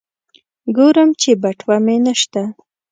ګورم چې بټوه مې نشته.